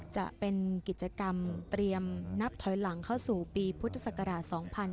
จะเป็นกิจกรรมเตรียมนับถอยหลังเข้าสู่ปีพุทธศักราช๒๕๕๙